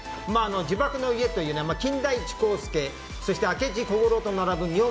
「呪縛の家」という金田一耕助、明智小五郎と並ぶ日本